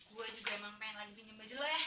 gue juga emang pengen lagi pinjam baju lo ya